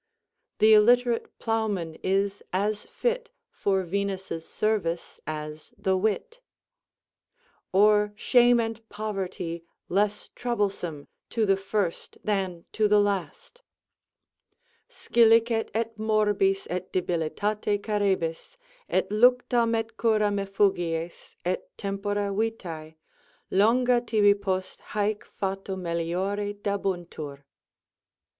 "Th' illiterate ploughman is as fit For Venus' service as the wit:" or shame and poverty less troublesome to the first than to the last? Scilicet et morbis et debilitate carebis, Et luctum et curam effugies, et tempora vitæ Longa tibi post hæc fato meliore dabuntur.